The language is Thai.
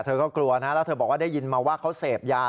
เธอก็กลัวนะแล้วเธอบอกว่าได้ยินมาว่าเขาเสพยา